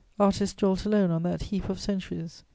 Artists dwelt alone on that heap of centuries.